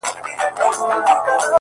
ستا لېونۍ خندا او زما له عشقه ډکه ژړا!!